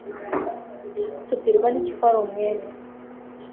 tubwirwa n'iki ko ari umwere